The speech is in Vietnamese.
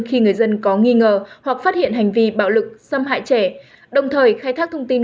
khi người dân có nghi ngờ hoặc phát hiện hành vi bạo lực xâm hại trẻ đồng thời khai thác thông tin